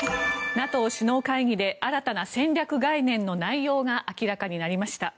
ＮＡＴＯ首脳会議で新たな戦略概念の内容が明らかになりました。